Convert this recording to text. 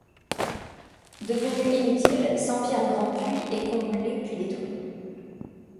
Devenu inutile, Saint-Pierre grand puits est comblé puis détruit.